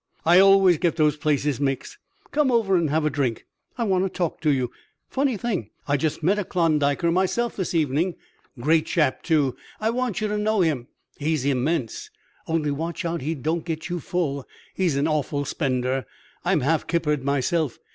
I always get those places mixed. Come over and have a drink. I want to talk to you. Funny thing, I just met a Klondiker myself this evening. Great chap, too! I want you to know him: he's immense. Only watch out he don't get you full. He's an awful spender. I'm half kippered myself.